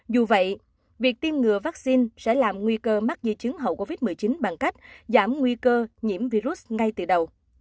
dù vậy việc tiêm ngừa vaccine sẽ làm nguy cơ mắc di chứng hậu covid một mươi chín bằng cách giảm nguy cơ nhiễm virus ngay từ đầu